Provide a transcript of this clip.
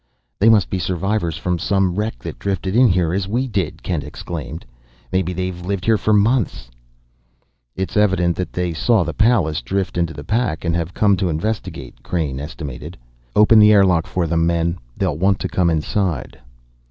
"They must be survivors from some wreck that drifted in here as we did!" Kent exclaimed. "Maybe they've lived here for months!" "It's evident that they saw the Pallas drift into the pack, and have come to investigate," Crain estimated. "Open the airlock for them, men, for they'll want to come inside."